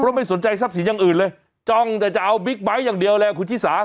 ไม่สนใจทรัพย์สินอย่างอื่นเลยจ้องแต่จะเอาบิ๊กไบท์อย่างเดียวเลยคุณชิสา